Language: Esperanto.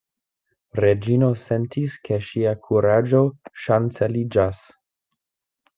Reĝino sentis, ke ŝia kuraĝo ŝanceliĝas.